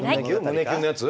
胸キュンのやつ？